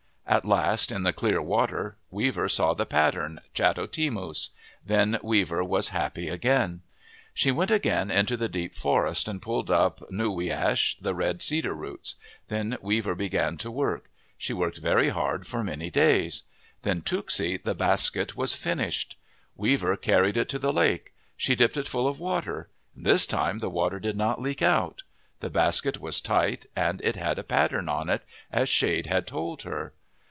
At last, in the clear water, Weaver saw the pattern, chato timus. Then Weaver was happy again. She went again into the deep forest and pulled up noo wi ash, the red cedar roots. Then Weaver began to work. She worked very hard for many days. Then tooksi, the basket, was finished. Weaver 141 MYTHS AND LEGENDS carried it to the lake. She dipped it full of water. This time the water did not leak out. The basket was tight and it had a pattern on it, as Shade had told her.